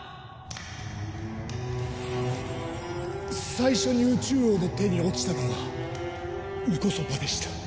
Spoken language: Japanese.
最初に宇蟲王の手に落ちたのはンコソパでした。